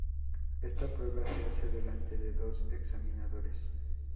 Esta prueba se hace delante de dos examinadores.